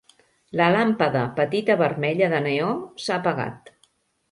La làmpada petita vermella de neó s'ha apagat.